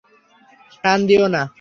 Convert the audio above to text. টান দিও না।